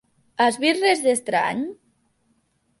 Has vist res d'estrany?